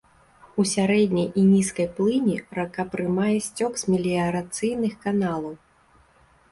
У сярэдняй і нізкай плыні рака прымае сцёк з меліярацыйных каналаў.